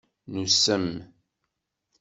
Nusem.